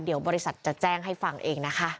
เดี๋ยวบริษัทจะแจ้งให้ฟังเองนะคะ